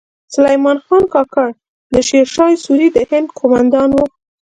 سلیمان خان کاکړ د شیر شاه سوري د هند کومندان و